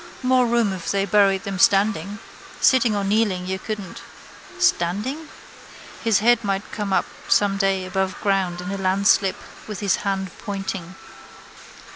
More room if they buried them standing. Sitting or kneeling you couldn't. Standing? His head might come up some day above ground in a landslip with his hand pointing.